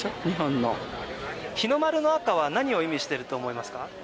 日本の日の丸の赤は何を意味してると思いますか？